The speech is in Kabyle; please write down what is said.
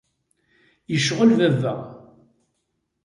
Yecɣel baba.